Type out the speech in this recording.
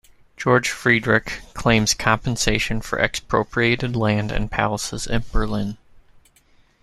Georg Friedrich claims compensation for expropriated land and palaces in Berlin.